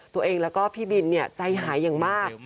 ตัวเองแล้วก็พี่บินใจหายอย่างมาก